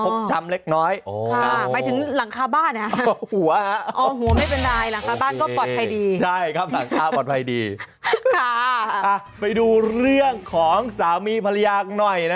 โอ้วมันโชคดีที่เจอเป็นคนสุดท้าย